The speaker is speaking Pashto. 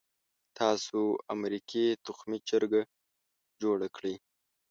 تاسو امریکې تخمي چرګه جوړه کړې.